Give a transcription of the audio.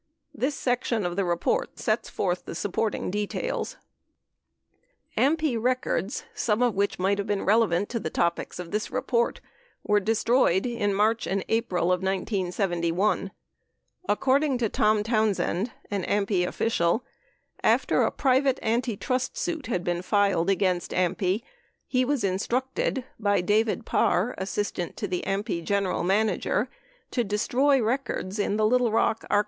This section of the report sets forth the supporting details. AMPI records, some of whidh might have been relevant to topics of this report, were destroyed in March/April of 1971. According to Tom Townsend, an AMPI official, after a private antitrust suit had been filed against AMPI, he was instructed by David Parr, assistant to the AMPI General Manager, to destroy records in the Little Rock, Ark.